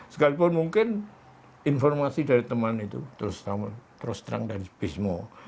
sekalipun mungkin informasi dari teman itu terus terang dari bismo